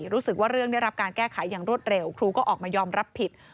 รู้สึกว่าเรื่องได้รับการแก้ไขอย่างรวดเร็วครูก็ออกมายอมรับผิด